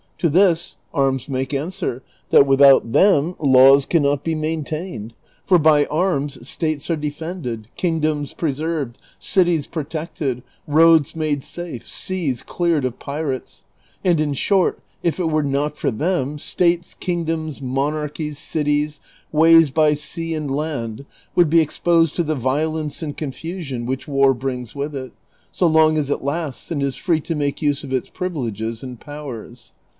To this arms make ansAver that without them laws can not be maintained, for by arms states are de fended, kingdoms preserved, cities protected, roads made safe, seas cleared of pirates ; and, in short, if it were not for them, states, kingdoms, monarchies, cities, ways by sea and land would be exposed to the violence and confusion which war brings with it, so long as it lasts and is free to make use of its privileges and powers.